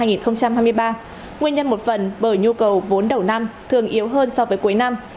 nguyên nhân một phần bởi nhu cầu vốn đầu năm thường yếu hơn so với cuối năm